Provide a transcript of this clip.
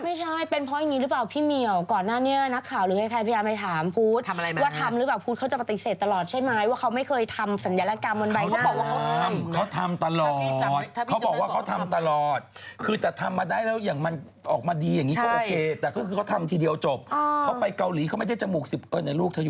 ไม่ใช่เป็นเพราะอย่างเนี้ยรึเปล่าพี่มี่ก่อนหน้านี้นักข่าวหรือใครพยายามไปถามพุทธ